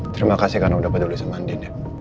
terima kasih karena udah peduli sama andi